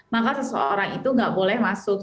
maka seseorang itu nggak boleh masuk